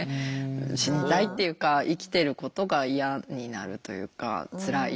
死にたいっていうか生きてることが嫌になるというかつらい。